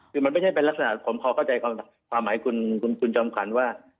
คือมันไม่ใช่เป็นลักษณะผมพอเข้าใจความหมายคุณจอมขวัญว่า